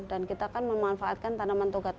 dan kita akan memanfaatkan tanaman toga tadi